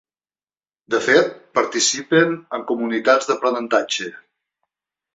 De fet, participen en comunitats d'aprenentatge.